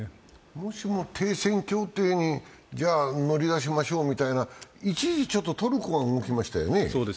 もしも停戦協定に乗り出しましょうみたいな一時、トルコが動きましたよね。